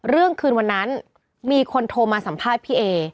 คืนวันนั้นมีคนโทรมาสัมภาษณ์พี่เอ